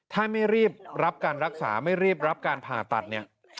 ถ้าไม่รีบรับการรักษาไม่รีบรับการผ่าตัดเนี่ย